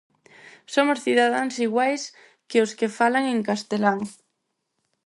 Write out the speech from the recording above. Somos cidadáns iguais que os que falan en castelán.